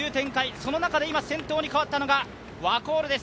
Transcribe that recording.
その中で今、先頭にかわったのがワコールです。